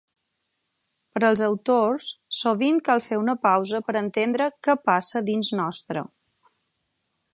Per als autors, sovint cal fer una pausa per entendre què passa dins nostre.